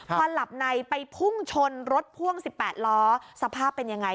พอหลับในไปพุ่งชนรถพ่วง๑๘ล้อสภาพเป็นยังไง